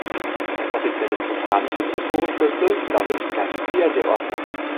Sein offizielles botanisches Autorenkürzel lautet „Garcia de Orta“.